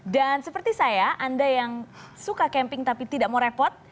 dan seperti saya anda yang suka camping tapi tidak mau repot